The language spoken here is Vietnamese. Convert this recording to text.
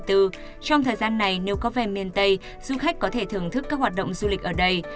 trong thời gian này nếu có về miền tây du khách có thể thưởng thức các hoạt động du lịch ở đây